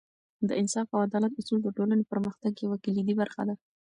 د انصاف او عدالت اصول د ټولنې پرمختګ یوه کلیدي برخه ده.